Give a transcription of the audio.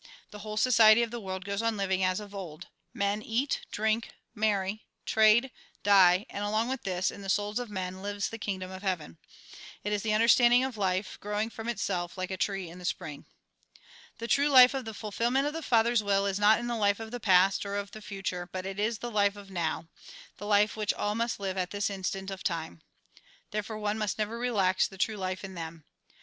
The whole society of the world goes on living as of old ; men eat, drink, marry, trade, die, and along with this, in the souls of men, lives the Kingdom of Heaven. It is the understanding of life, growing from itself, like a tree in the spring. The true life of the fulfilment of the Father's will is not in the life of the past, or of the future, but it is the life of now, the life which all must live at this instant of time. Therefore one must never relax the true life in them.